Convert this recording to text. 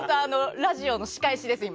ラジオの仕返しです。